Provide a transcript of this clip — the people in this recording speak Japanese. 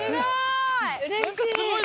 すごい！